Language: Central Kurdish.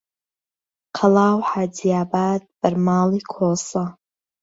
قەڵا و حاجیاباد بەر ماڵی کۆسە